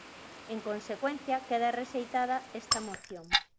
En consecuencia queda rexeitada esta moción.